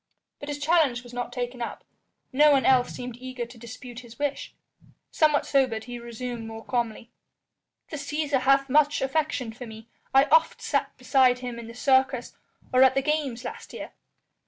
But his challenge was not taken up; no one else seemed eager to dispute his wish. Somewhat sobered, he resumed more calmly: "The Cæsar hath much affection for me. I oft sat beside him in the Circus or at the games last year.